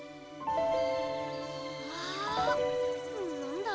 あなんだ？